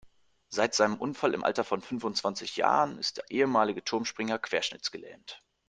Seit seinem Unfall im Alter von fünfundzwanzig Jahren ist der ehemalige Turmspringer querschnittsgelähmt.